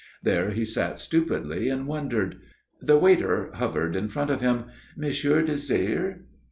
There he sat stupidly and wondered. The waiter hovered in front of him. "_Monsieur désire?